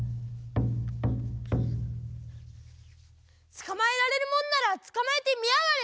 つかまえられるもんならつかまえてみやがれ！